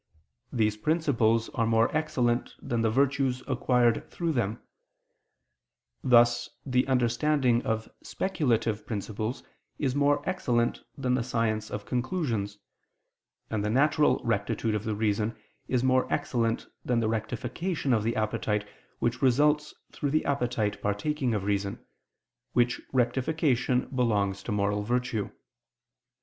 These principles are more excellent than the virtues acquired through them: thus the understanding of speculative principles is more excellent than the science of conclusions, and the natural rectitude of the reason is more excellent than the rectification of the appetite which results through the appetite partaking of reason, which rectification belongs to moral virtue.